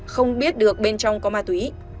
không biết được bên trong có ma túy